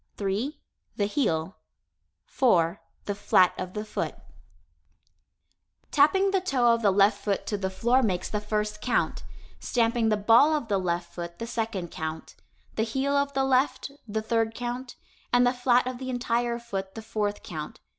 3, the heel. 4, the flat of the foot. [Illustration: The Four Different Parts of the Foot] Tapping the toe of the left foot to the floor makes the first count; stamping the ball of the left foot, the second count; the heel of the left, the third count; and the flat of the entire foot the fourth count.